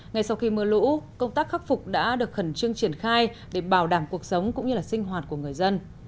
ngay sau khi mưa lũ công tác khắc phục đã được khẩn trương triển khai để bảo đảm cuộc sống cũng như sinh hoạt của người dân